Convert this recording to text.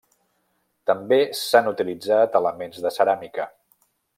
També s'han utilitzat elements de ceràmica.